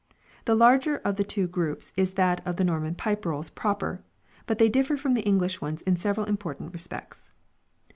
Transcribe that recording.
The larger of the two groups is that of the Norman Pipe Rolls proper ; but they differ from the English ones in several important respects.